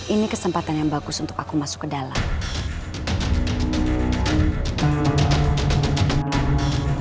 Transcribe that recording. ini kesempatan yang bagus untuk aku masuk ke dalam